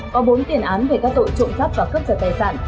có bốn tiền án về các tội trộm rắp và cấp trật tài sản